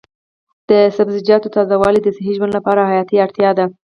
د سبزیجاتو تازه والي د صحي ژوند لپاره حیاتي اړتیا ده.